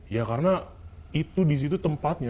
ya karena itu di situ tempatnya